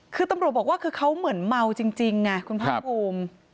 คือตำรวจบอกว่าคือเขาเหมือนเมาจริงไงคุณภาคภูมิ